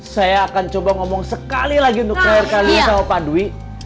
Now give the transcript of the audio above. saya akan coba ngomong sekali lagi untuk terakhir kalinya sama pak dwi